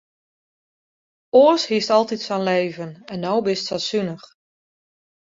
Oars hiest altyd sa'n leven en no bist sa sunich.